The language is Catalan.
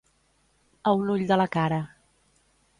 A un ull de la cara.